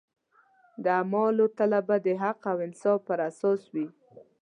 د اعمالو تله به د حق او انصاف پر اساس وي.